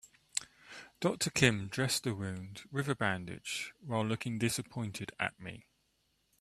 Doctor Kim dressed the wound with a bandage while looking disappointed at me.